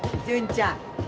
純ちゃん